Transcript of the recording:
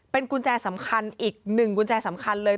กุญแจสำคัญอีกหนึ่งกุญแจสำคัญเลย